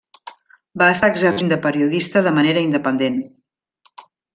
Va estar exercint de periodista de manera independent.